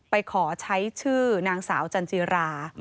ไปขอใช้ชื่อนางสาวจันจิรา